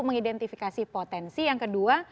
mengidentifikasi potensi yang kedua